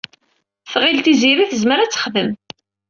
Tɣil Tiziri tezmer ad t-texdem.